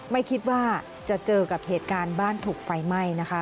ไม่คิดว่าจะเจอกับเหตุการณ์บ้านถูกไฟไหม้นะคะ